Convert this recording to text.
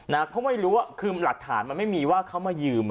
เพราะไม่รู้ว่าคือหลักฐานมันไม่มีว่าเขามายืม